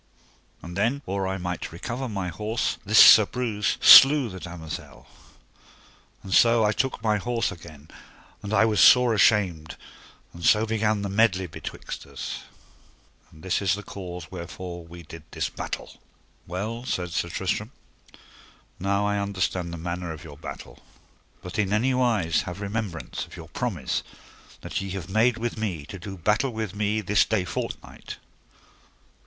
And then or I might recover my horse this Sir Breuse slew the damosel. And so I took my horse again, and I was sore ashamed, and so began the medley betwixt us: and this is the cause wherefore we did this battle. Well, said Sir Tristram, now I understand the manner of your battle, but in any wise have remembrance of your promise that ye have made with me to do battle with me this day fortnight.